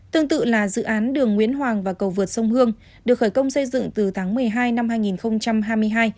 tương tự là dự án đường nguyễn hoàng và cầu vượt sông hương được khởi công xây dựng từ tháng một mươi hai năm hai nghìn hai mươi hai